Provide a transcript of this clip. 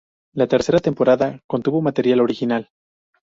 La tercera temporada contuvo material original.